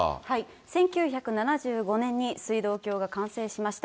１９７５年に水道橋が完成しました。